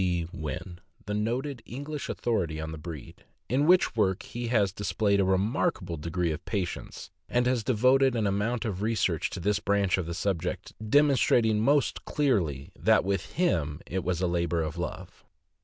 B. Wynn, the noted English authority on the breed, in which work he has displayed a remarkable degree of patience, and has devoted an amount of research to this branch of the subject demonstrating, most clearly, that with him it was a labor of lov e.